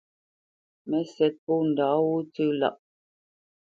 Mə́sɛ̌t pô ndǎ wó tsə̄ lâʼ.